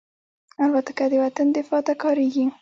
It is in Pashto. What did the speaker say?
الوتکه د وطن دفاع ته کارېږي.